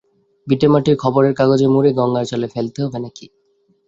ভিটেমাটি খররের কাগজে মুড়ে গঙ্গার জলে ফেলতে হবে নাকি।